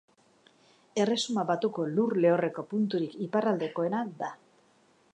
Erresuma Batuko lur lehorreko punturik iparraldekoena da.